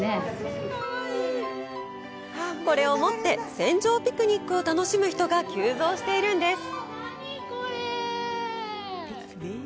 これを持って船上ピクニックを楽しむ人が急増しているんです！